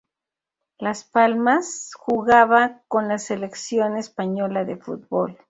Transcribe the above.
Las Palmas, jugaba con la Selección Española de Fútbol.